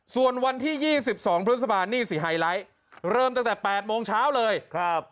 ส่วนวันที่ยี่สิบสองพฤศภานี่สิไฮไลท์เริ่มตั้งแต่แปดโมงเช้าเลยครับ